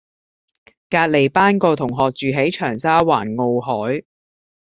隔離班個同學住喺長沙灣傲凱